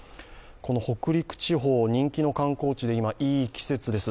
北陸地方、人気の観光地で今、いい季節です。